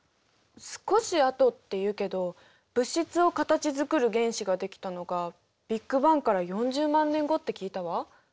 「少しあと」って言うけど物質を形づくる原子が出来たのがビッグバンから４０万年後って聞いたわ。